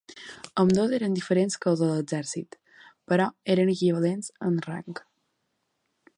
Ambdós eren diferents que els de l'Exèrcit, però eren equivalents en rang.